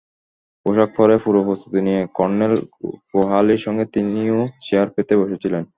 পোশাক পরে, পুরো প্রস্তুতি নিয়ে কর্নেল কোহালির সঙ্গে তিনিও চেয়ার পেতে বসেছিলেন।